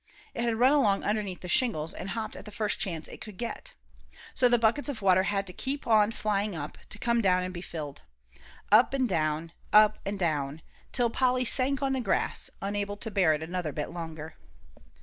It had run along underneath the shingles and hopped at the first chance it could get. So the buckets of water had to keep on flying up, to come down and be filled. Up and down, up and down, till Polly sank on the grass, unable to bear it another bit longer.